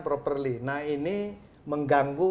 properly nah ini mengganggu